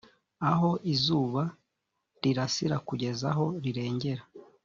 aho izuba rirasira kugeza aho rirengera